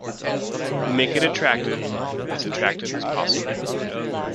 We make it attractive — as attractive as possible.